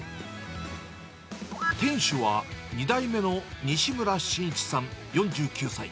店主は、２代目の西村真一さん４９歳。